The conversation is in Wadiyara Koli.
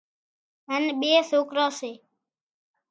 هانَ ٻي سوڪريون سي